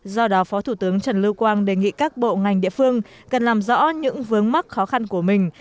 do đó phó thủ tướng trần lưu quang đề nghị các bộ ngành địa phương cần làm rõ những vướng mắc khó khăn của mình